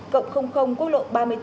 cộng quốc lộ ba mươi bốn